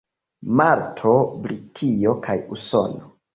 Malto, Britio kaj Usono.